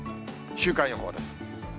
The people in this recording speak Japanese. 週間予報です。